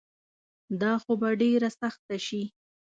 دا خو به ډیره سخته شي